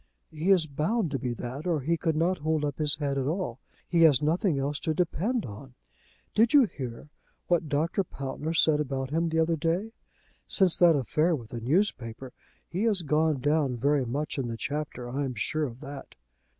"He is bound to be that, or he could not hold up his head at all. He has nothing else to depend on. Did you hear what Dr. Pountner said about him the other day? Since that affair with the newspaper, he has gone down very much in the Chapter. I am sure of that."